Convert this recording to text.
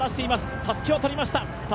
たすきをとりました。